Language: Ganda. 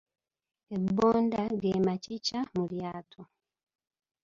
Ebbonda ge makikya mu lyato.